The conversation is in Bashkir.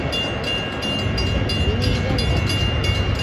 Мине ебәрегеҙ!